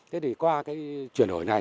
thế thì qua cái chuyển đổi này